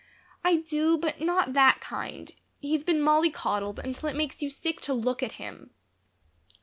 "I do, but not that kind. He's been molly coddled until it makes you sick to look at him."